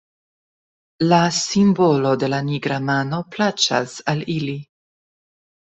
La simbolo de la nigra mano plaĉas al ili.